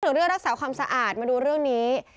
เรื่องรักษาความสะอาดมาดูเรื่องนี้